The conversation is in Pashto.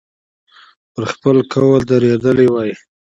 پر خپل قول درېدلی وای.